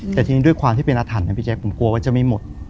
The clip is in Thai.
แต่ทีนี้ด้วยความที่เป็นอาถรรพ์นะพี่แจ๊คผมกลัวว่าจะไม่หมด